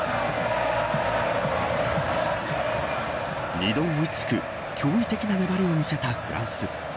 ２度追いつく、驚異的な粘りを見せたフランス。